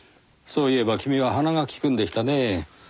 そういえば君は鼻が利くんでしたねぇ。